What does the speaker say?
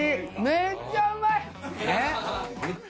めっちゃうまい。